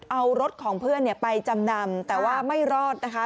เอารถของเพื่อนไปจำนำแต่ว่าไม่รอดนะคะ